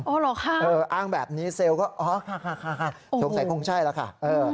อ๋อเหรอค่ะเอออ้างแบบนี้เซลก็อ๋อค่ะค่ะค่ะคงใช่แล้วค่ะเออ